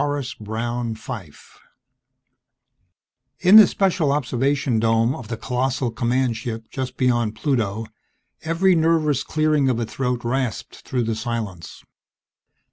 B. Fyfe Illustrated by ED EMSH In the special observation dome of the colossal command ship just beyond Pluto, every nervous clearing of a throat rasped through the silence.